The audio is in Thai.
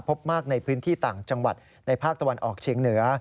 พบมากในพื้นที่ต่างจังหวัดในภาคตะวันออกเชียงเหนือ